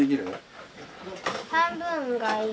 半分がいい。